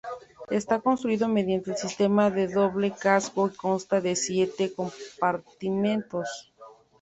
Está construido mediante el sistema de doble casco y consta de siete compartimentos.